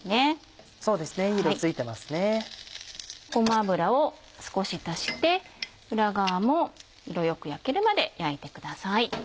ごま油を少し足して裏側も色よく焼けるまで焼いてください。